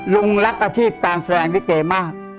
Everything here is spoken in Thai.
ลุงหรักอาทิตย์ต่างแรงลิเกมาก